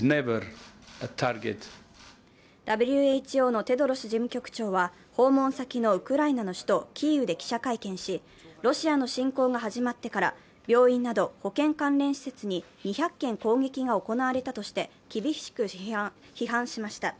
ＷＨＯのテドロス事務局長は、訪問先のウクライナの首都キーウで記者会見し、ロシアの侵攻が始まってから病院など保健関連施設に２００件攻撃が行われたとして厳しく批判しました。